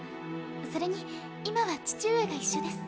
それに今は父上が一緒です。